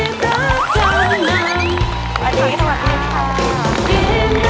สวัสดีค่ะ